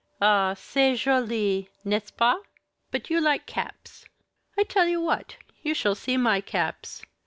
"Ah! c'est jolie, n'est ce pas? But you like caps. I tell you what, you shall see my caps.